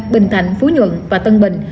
một ba bình thạnh phú nhuận và tân bình